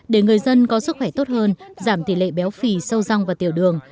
để người dân có sức khỏe tốt hơn giảm tỷ lệ béo phì sâu rong và tiểu đường